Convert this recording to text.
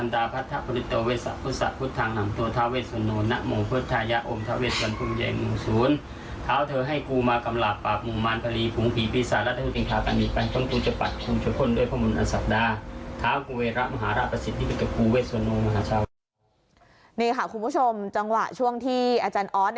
นี่ค่ะคุณผู้ชมจังหวะช่วงที่อาจารย์ออส